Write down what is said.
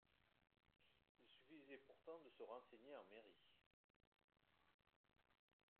Il suffisait pourtant de se renseigner en mairie.